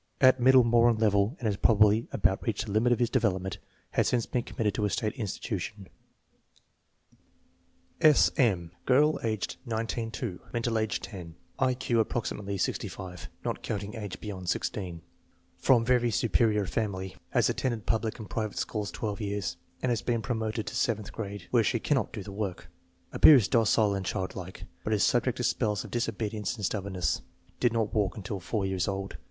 At middle moron level and has probably about reached the limit of his development. Has since been committed to a state institution. FIG. 5. WRITING FROM DICTATION. R. M., AGE 15; MENTAL AGE 9 & M. Girl, age 19 %; mental age 10; I Q approximately 65 (not counting age beyond 16). From very superior family. Has attended public and private schools twelve years and has been promoted to seventh grade, where she cannot do the work. Appears docile and childlike, but is subject to spells of disobedience and stubbornness. Did not walk until 4 years old.